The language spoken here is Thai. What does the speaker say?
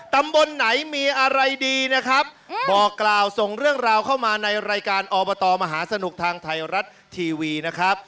ตำบลไหนมีอะไรดีนะครับบอกกล่าวส่งเรื่องราวเข้ามาในรายการอบตมหาสนุกทางไทยรัฐทีวีนะครับ